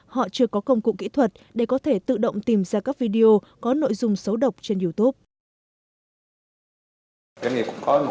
họ chưa có công cụ kỹ thuật để có thể tự động tìm ra các video có nội dung xấu độc trên youtube